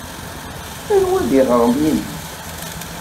Anwa ay d iɣrem-nnek?